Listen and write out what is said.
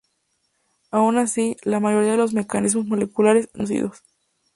Aun así, la mayoría de los mecanismos moleculares no son conocidos.